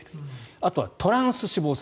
あとはトランス脂肪酸。